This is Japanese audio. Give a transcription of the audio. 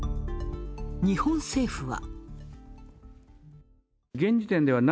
日本政府は。